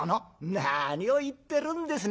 「なにを言ってるんですね